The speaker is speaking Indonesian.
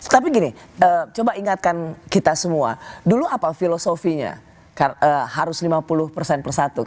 tapi gini coba ingatkan kita semua dulu apa filosofinya harus lima puluh persen per satu